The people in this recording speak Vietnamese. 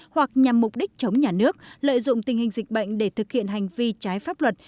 hoặc nhằm mục đích chống nhà nước lợi dụng tình hình dịch bệnh để thực hiện hành vi trái pháp luật